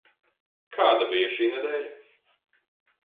Kāda bija šī nedēļa?